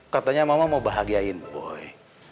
katanya mama mau bahagiain boy